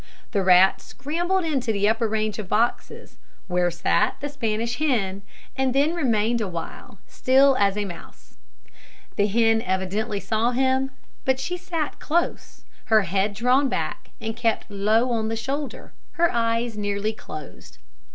The rat scrambled into the upper range of boxes, where sat the Spanish hen, and then remained awhile still as a mouse. The hen evidently saw him, but she sat close, her head drawn back and kept low on the shoulder, her eyes nearly closed.